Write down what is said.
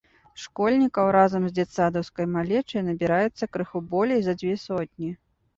Школьнікаў разам з дзетсадаўскай малечай набіраецца крыху болей за дзве сотні.